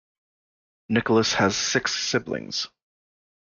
Nicholas has six siblings.